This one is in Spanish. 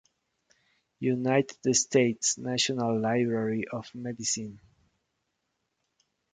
United States National Library of Medicine.